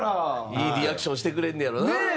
いいリアクションしてくれんねやろな。